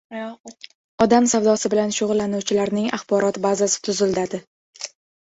Odam savdosi bilan shug‘ullanuvchilarning axborot bazasi tuziladi